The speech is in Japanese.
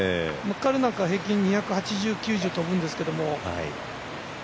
彼なんか平均２８０２９０飛ぶんですけど。